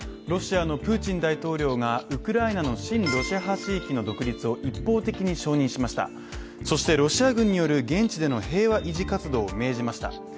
ロシアのプーチン大統領がウクライナの親ロシア派地域の独立を一方的に承認しましたそしてロシア軍による現地での平和維持活動を命じました。